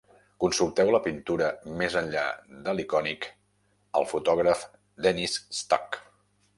Consulteu la pintura Més enllà de l'icònic: el fotògraf Dennis Stock.